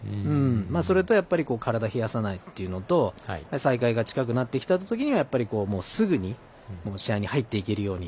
それと体を冷やさないというのと再開が近くなってきたときにはやっぱりすぐに試合に入っていけるように。